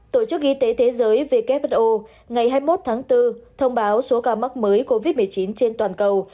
tổ chức y tế thế giới who ngày hai mươi một tháng bốn thông báo số ca mắc mới covid một mươi chín trên toàn cầu